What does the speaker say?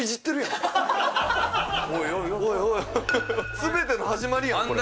すべての始まりやん、これ。